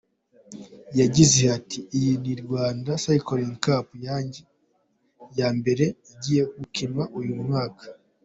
Yagize ati “Iyi ni Rwanda Cycling Cup yanjye ya mbere ngiye gukina uyu mwaka.